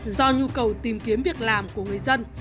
do nhu cầu tìm kiếm việc làm của người dân